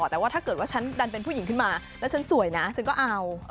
แต่ว่าถ้าเกิดว่าฉันดันเป็นผู้หญิงขึ้นมาแล้วฉันสวยนะฉันก็เอา